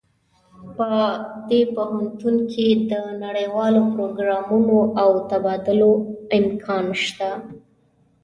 په دې پوهنتون کې د نړیوالو پروګرامونو او تبادلو امکان شته